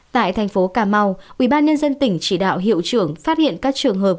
tại thành phố cà mau ubnd tỉnh chỉ đạo hiệu trưởng phát hiện các trường hợp